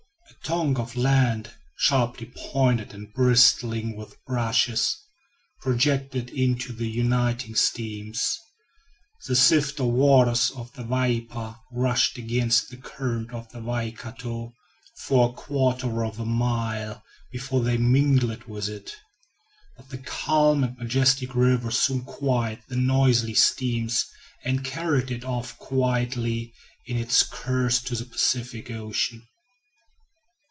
A tongue of land, sharply pointed and bristling with bushes, projected into the uniting streams. The swifter waters of the Waipa rushed against the current of the Waikato for a quarter of a mile before they mingled with it; but the calm and majestic river soon quieted the noisy stream and carried it off quietly in its course to the Pacific Ocean.